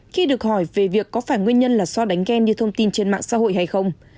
khi được hỏi về việc có phải nguyên nhân là so đánh ghen như thông tin trên mạng xã hội hay không